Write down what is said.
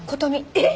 えっ！？